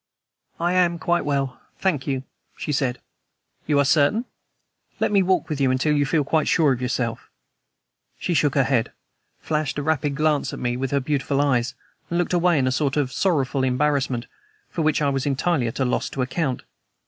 "I am quite well, thank you," she said. "You are certain? Let me walk with you until you feel quite sure of yourself." She shook her head, flashed a rapid glance at me with her beautiful eyes, and looked away in a sort of sorrowful embarrassment, for which I was entirely at a loss to account.